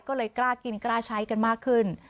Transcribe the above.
ก็เลยกล้ากินกล้าใช้กันมากขึ้น